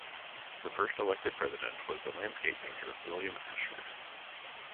The first elected president was the landscape painter, William Ashford.